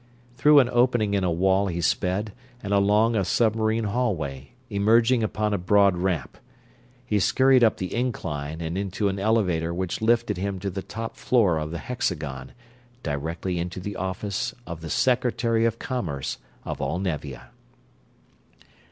Through an opening in a wall he sped and along a submarine hallway, emerging upon a broad ramp. He scurried up the incline and into an elevator which lifted him to the top floor of the hexagon, directly into the office of the Secretary of Commerce of all Nevia.